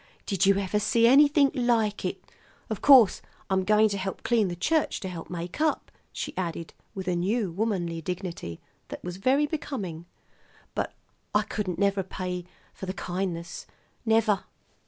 Did you ever see anything like it? Of course, I'm going to help clean the church to help make up," she added with a new womanly dignity that was very becoming; "but I couldn't never pay for the kindness, never!"